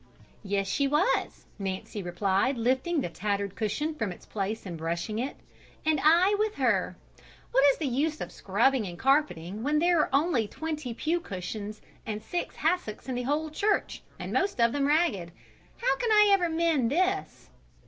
"Yes, she was," Nancy replied, lifting the tattered cushion from its place and brushing it; "and I with her. What is the use of scrubbing and carpeting, when there are only twenty pew cushions and six hassocks in the whole church, and most of them ragged? How can I ever mend this?"